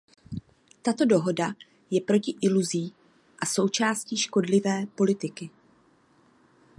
Tato dohoda je proto iluzí a součástí škodlivé politiky.